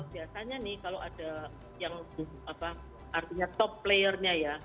biasanya nih kalau ada yang top player nya ya